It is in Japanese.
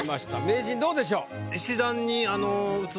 名人どうでしょう？